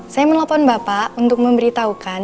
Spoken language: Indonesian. saya menelpon bapak untuk memberitahukan